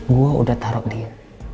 gue udah taruh dia